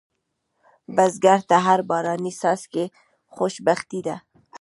بزګر ته هر باراني څاڅکی خوشبختي ده